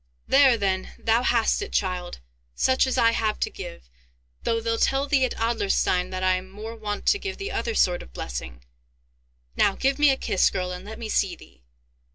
There then, thou hast it, child, such as I have to give, though they'll tell thee at Adlerstein that I am more wont to give the other sort of blessing! Now, give me a kiss, girl, and let me see thee!